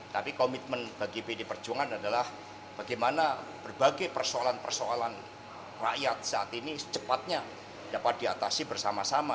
tapi komitmen bagi pd perjuangan adalah bagaimana berbagai persoalan persoalan rakyat saat ini secepatnya dapat diatasi bersama sama